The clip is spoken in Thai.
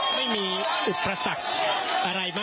ไม่มีอุปราศักดิ์